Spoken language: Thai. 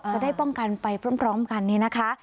จะได้ป้องกันไปพร้อมกันเนี่ยนะคะ